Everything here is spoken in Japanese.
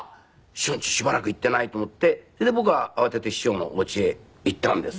師匠ん家しばらく行っていないと思ってそれで僕は慌てて師匠のお家へ行ったんです。